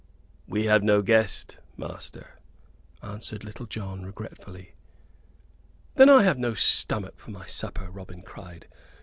"We have no guest, master," answered Little John, regretfully. "Then have I no stomach for my supper," Robin cried.